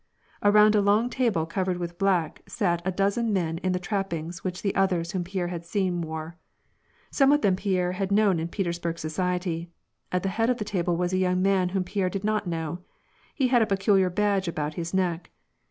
Around a long table covered with black sat a dozen men in the trappings which the others whom Pierre had seen wore. Some of them Pierre had known in Petersburg society. At the head of the table was a young man whom Pierre did not know : he had a peculiar badge around his neck.